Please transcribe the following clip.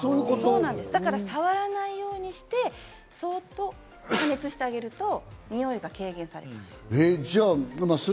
だから触らないようにして、そっと加熱してあげるとにおいが軽減されます。